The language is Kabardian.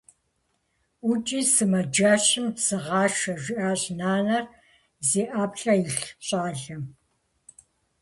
- ӀукӀи сымаджэщым сыгъашэ! - жиӀащ нанэр зи ӀэплӀэ илъ щӀалэм.